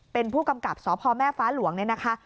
เป็นผู้กำกับสพแม่ฟ้าหลวงเนี่ยนะคะ